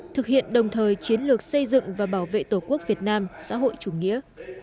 thực hiện đồng thời chiến lược xây dựng và bảo vệ tổ quốc việt nam xã hội chủ nghĩa